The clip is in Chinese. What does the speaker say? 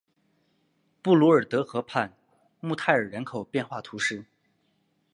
布卢尔德河畔穆泰尔人口变化图示